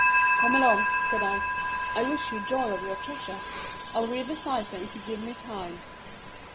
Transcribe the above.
" Come along," said I, " I wish you joy of your treasure. Fll read the cypher if you give me time."